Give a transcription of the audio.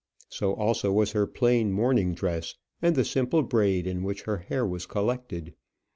So also was her plain morning dress, and the simple braid in which her hair was collected.